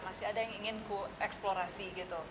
masih ada yang ingin ku eksplorasi gitu